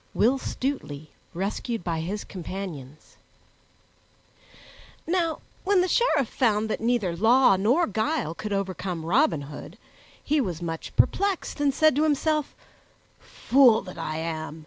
Will Stutely Rescued by His Companions NOW WHEN THE SHERIFF found that neither law nor guile could overcome Robin Hood, he was much perplexed, and said to himself, "Fool that I am!